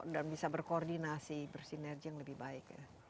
dan bisa berkoordinasi bersinergi yang lebih baik